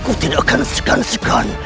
aku tidak akan segan segan